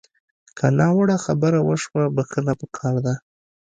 که ناوړه خبره وشوه، بښنه پکار ده